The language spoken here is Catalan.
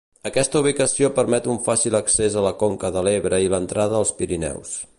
Aquesta ubicació permet un fàcil accés a la conca de l'Ebre i l'entrada als Pirineus.